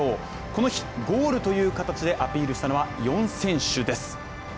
この日ゴールという形でアピールしたのは４選手です。